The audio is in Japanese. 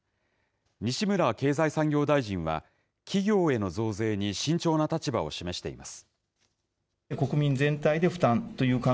西村経済産業大臣は、企業への増税に慎重な立場を示しています。